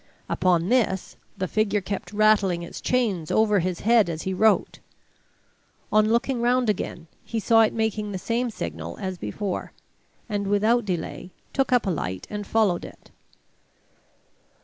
Upon this the figure kept rattling its chains over his head as he wrote. On looking round again, he saw it making the same signal as before, and without delay took up a light and followed it.